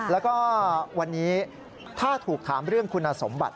แล้วก็วันนี้ถ้าถูกถามเรื่องคุณสมบัติ